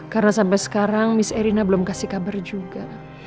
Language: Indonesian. karena sampai sekarang miss erina belum kasih kabar juga